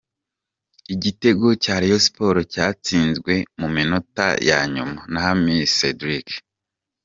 Igitego cya Rayon Sports cyatsinzwe mu minota ya nyuma na Hamissi Cedric.